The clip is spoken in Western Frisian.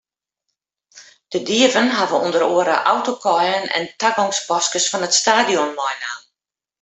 De dieven hawwe ûnder oare autokaaien en tagongspaskes fan it stadion meinaam.